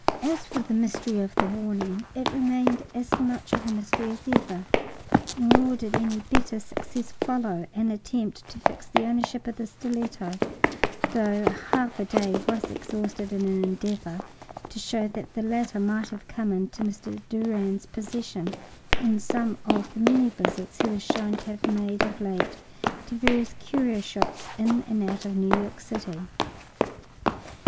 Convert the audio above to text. As for the mystery of the warning, it remained as much of a mystery as ever. Nor did any better success follow an attempt to fix the ownership of the stiletto, though a half day was exhausted in an endeavor to show that the latter might have come into Mr. Durand's possession in some of the many visits he was shown to have made of late to various curio shops in and out of New York City.